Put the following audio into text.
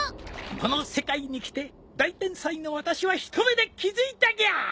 この世界に来て大天才の私は一目で気付いたぎゃ！